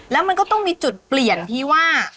แล้วมันก็ต้องมีจุดเปลี่ยนที่ว่า